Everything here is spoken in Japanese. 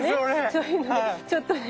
そういうのでちょっとね